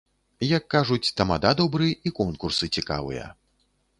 Як кажуць, тамада добры, і конкурсы цікавыя.